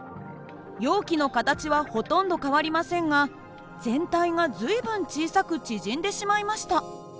容器の形はほとんど変わりませんが全体が随分小さく縮んでしまいました。